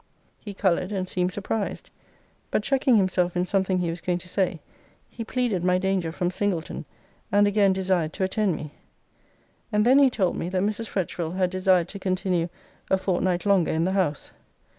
He coloured, and seemed surprised. But checking himself in something he was going to say, he pleaded my danger from Singleton, and again desired to attend me. And then he told me, that Mrs. Fretchville had desired to continue a fortnight longer in the house.